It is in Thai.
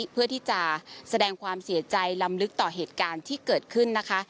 เพื่อที่จะแสดงความเสียใจลำลึกต่อเหตุการณ์ที่เกิดขึ้นนะคะ